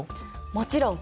もちろん！